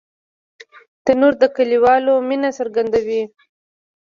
تنور د کلیوالو مینه څرګندوي